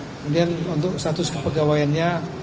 kemudian untuk status kepegawaiannya